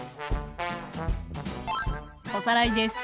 おさらいです。